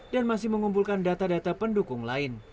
dan masih mengumpulkan data data pendukung lain